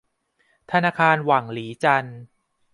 ธนาคารหวั่งหลีจัน